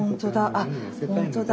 あほんとだ。